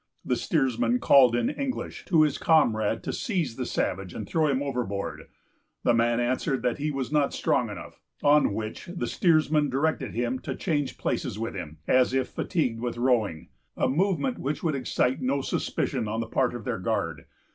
The steersman called, in English, to his comrade to seize the savage and throw him overboard. The man answered that he was not strong enough; on which the steersman directed him to change places with him, as if fatigued with rowing, a movement which would excite no suspicion on the part of their guard.